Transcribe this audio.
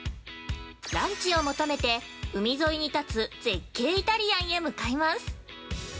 ◆ランチを求めて、海沿いに建つ絶景イタリアンへ向かいます。